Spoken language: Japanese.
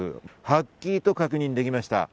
はっきりと確認できました。